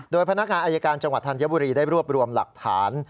โดยพนักงานอายการจังหวัดธัญบุรีได้รวบรวมหลักฐาน